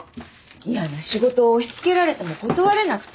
嫌な仕事を押し付けられても断れなくて。